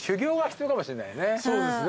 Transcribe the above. そうですね。